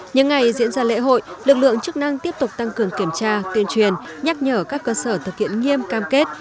những ngày diễn ra lễ hội lực lượng chức năng tiếp tục tăng cường kiểm tra tuyên truyền nhắc nhở các cơ sở thực hiện nghiêm cam kết